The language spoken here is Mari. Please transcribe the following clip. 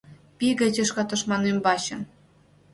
Пий гай тӱшка тушман ӱмбачын